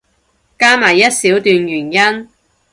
加埋一小段原因